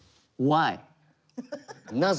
なぜ？